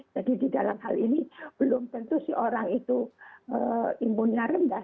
jadi di dalam hal ini belum tentu si orang itu imunnya rendah